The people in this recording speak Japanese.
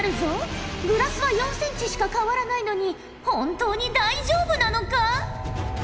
グラスは４センチしか変わらないのに本当に大丈夫なのか？